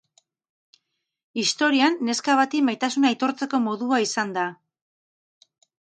Historian, neska bati maitasuna aitortzeko modua izan da.